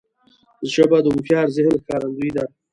ژبه د هوښیار ذهن ښکارندوی ده